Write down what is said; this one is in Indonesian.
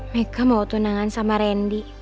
mereka mau tunangan sama randy